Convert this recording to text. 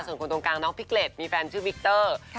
ส่วนคนตรงกลางน้องพิกเล็ตมีแฟนชื่อวิกเตอร์